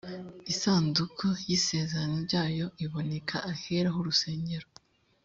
isanduku v y isezerano ryayo iboneka ahera h urusengero